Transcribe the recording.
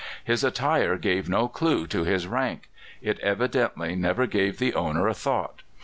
His attire gave no clue to his rank; it evidently never gave the owner a thought.